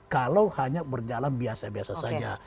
kalau hanya berjalan biasa biasa saja